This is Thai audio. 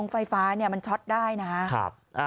ไฟฟ้ามันช็อตได้นะฮะ